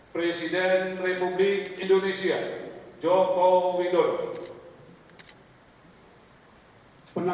pertemuan tahun dua ribu empat belas dua ribu sembilan belas